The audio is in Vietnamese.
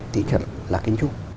thì chắc là kiến trúc